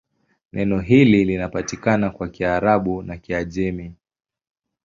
Neno hili linapatikana kwa Kiarabu na Kiajemi.